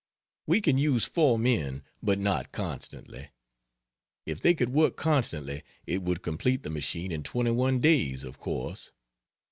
We can use 4 men, but not constantly. If they could work constantly it would complete the machine in 21 days, of course.